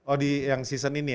oh di yang season ini ya